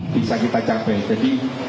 bisa kita capai jadi